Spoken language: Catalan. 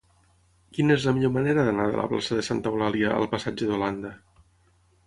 Quina és la millor manera d'anar de la plaça de Santa Eulàlia al passatge d'Holanda?